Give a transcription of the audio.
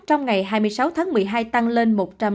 trong ngày hai mươi sáu tháng một mươi hai tăng lên